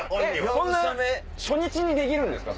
初日にできるんですか？